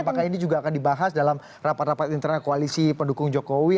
apakah ini juga akan dibahas dalam rapat rapat internal koalisi pendukung jokowi